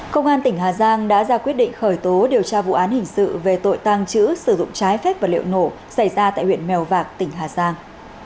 công an tỉnh hà giang đã ra quyết định khởi tố điều tra vụ án hình sự về tội tàng trữ sử dụng trái phép vật liệu nổ xảy ra tại huyện mèo vạc tỉnh hà giang